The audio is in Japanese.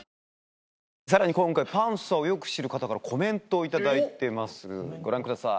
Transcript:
さらに今回パンサーをよく知る方からコメントを頂いてますご覧ください。